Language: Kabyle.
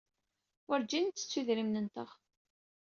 Werjin nttettu idrimen-nteɣ.